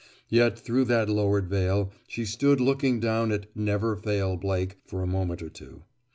Yet through that lowered veil she stood looking down at Never Fail Blake for a moment or two.